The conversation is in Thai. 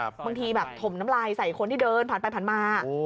บางทีแบบถมน้ำลายใส่คนที่เดินผ่านไปผ่านมา